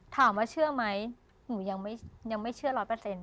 ถามว่าเชื่อไหมอุ๊ยยังไม่เชื่อ๑๐๐